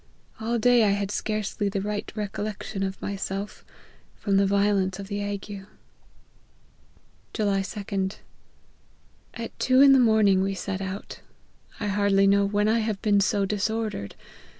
All day I had scarcely the right recollection of myself, from the violence of the ague." LIFE OF HENRY MARTYN. 169 " July 2d. At two in the morning we set out I hardly know when I have been so disordered.